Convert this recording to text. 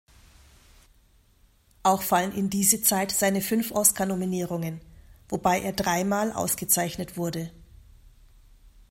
Auch fallen in diese Zeit seine fünf Oscar-Nominierungen, wobei er dreimal ausgezeichnet wurde.